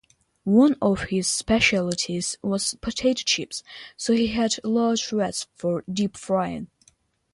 One of his specialties was potato chips, so he had large vats for deep-frying.